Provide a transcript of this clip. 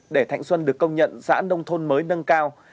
để thạnh xuân được công nhận xã nông thôn mới nâng cao